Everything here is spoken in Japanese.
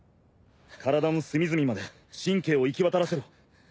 体の隅々まで神経を行き渡らせろ。